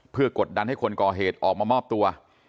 เพื่อกดดันให้คนก่อเหตุออกมามอบตัว